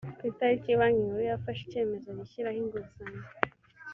ku itariki banki nkuru yafashe icyemezo gishyiraho inguzanyo